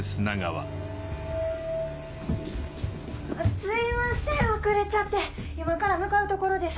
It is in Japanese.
すいません遅れちゃって今から向かうところです。